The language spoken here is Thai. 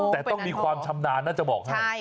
แต่ต้องมีความชำนาญน่าจะบอกให้